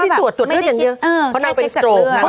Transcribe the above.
ไม่ได้ตรวจตรวจเลือดอย่างเงี้ย